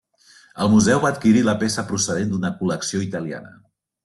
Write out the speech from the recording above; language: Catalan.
El museu va adquirir la peça procedent d'una col·lecció italiana.